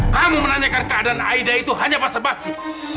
kamu menanyakan keadaan aida itu hanya masa basi